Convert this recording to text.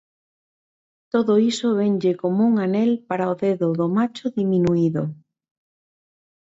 Todo iso venlle como un anel para o dedo do macho diminuído.